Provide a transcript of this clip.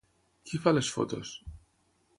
Qui fa les fotos?